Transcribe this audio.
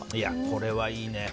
これはいいね。